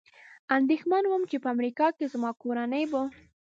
اندېښمن ووم، چې په امریکا کې زما کورنۍ به.